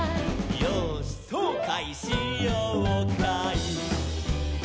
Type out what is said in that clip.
「よーしそうかいしようかい」